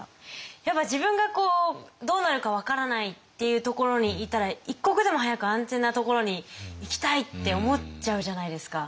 やっぱ自分がどうなるか分からないっていうところにいたら一刻でも早く安全なところに行きたいって思っちゃうじゃないですか。